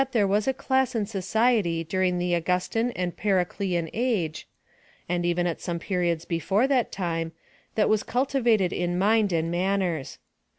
there was a class in society during the Augustan and Periclean age, and even at some periods before that time, that was cultivated in mind and manners.